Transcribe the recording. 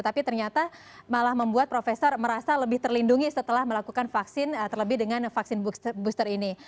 tapi ternyata malah membuat profesor merasa lebih terlindungi setelah melakukan vaksin terlebih dengan vaksin booster ini